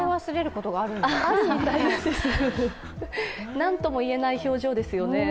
何ともいえない表情ですよね。